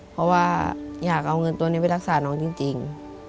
เพราะว่าอยากเอาเงินตัวนี้ไปรักษาน้องจริง